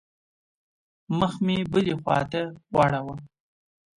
مخ مې بلې خوا ته واړاوه.